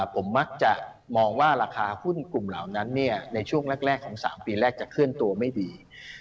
ผมมักจะมองว่าราคาหุ้นกลุ่มเหล่านั้นในช่วงแรกของ๓ปีแรกจะเคลื่อนตัวไม่ดี